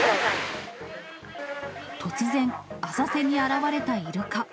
突然、浅瀬に現れたイルカ。